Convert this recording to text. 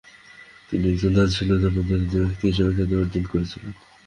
তিনি একজন দানশীল ও জনদরদী ব্যক্তি হিসেবে খ্যাতি অর্জন করেছিলেন।